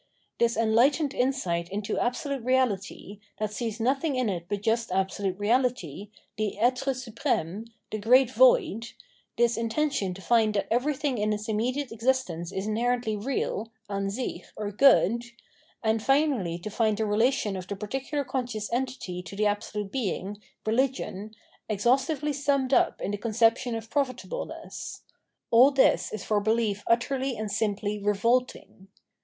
This enlightened insight iuto absolute Eeahty, that sees nothing in it but just absolute Eeality, the etre supreme, the great Void — this intention to find that everything in its imme diate existence is inherently real {an sich) or good, and finally to find the relation of the particular con scious entity to the Absolute Being, Eehgion, ex haustively summed up in the conception of profitableness — aU this is for belief utterly and simply revolting.